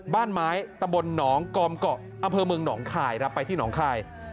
บ้านไม้ตะบลหนองกอมเกาะอำเภอเมืองหนองคายครับไปที่หนองคาย